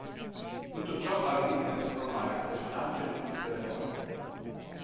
Tutto ciò al fine di trasformare il personaggio in un supereroe.